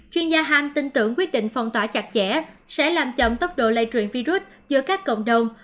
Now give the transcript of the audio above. chuyên gia hang tin tưởng quyết định phong tỏa chặt chẽ sẽ làm chậm tốc độ lây truyền virus giữa các cộng đồng